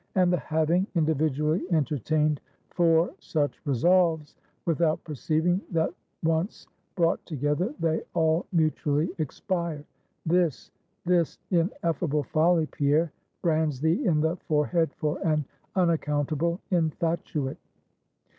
And the having individually entertained four such resolves, without perceiving that once brought together, they all mutually expire; this, this ineffable folly, Pierre, brands thee in the forehead for an unaccountable infatuate!